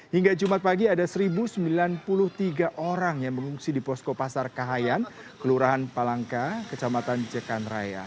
hingga jumat pagi ada satu sembilan puluh tiga orang yang mengungsi di posko pasar kahayan kelurahan palangka kecamatan jekan raya